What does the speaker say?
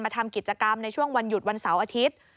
ทำกิจกรรมในช่วงวันหยุดวันเสาร์อาทิตย์